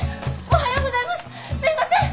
すいません！